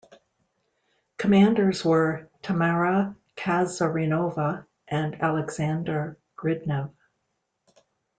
Commanders were Tamara Kazarinova and Aleksandr Gridnev.